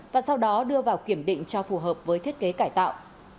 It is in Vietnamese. và sau đó đưa vào kiểm định cho phù hợp với thiết kế cải tạo